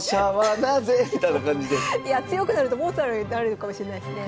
いや強くなるとモーツァルトになるのかもしれないですね。